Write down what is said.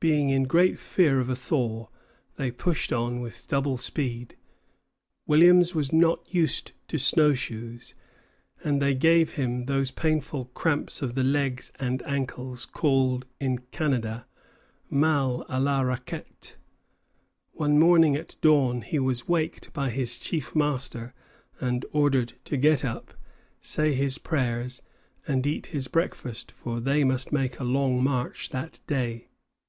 Being in great fear of a thaw, they pushed on with double speed. Williams was not used to snow shoes, and they gave him those painful cramps of the legs and ankles called in Canada mal à la raquette. One morning at dawn he was waked by his chief master and ordered to get up, say his prayers, and eat his breakfast, for they must make a long march that day.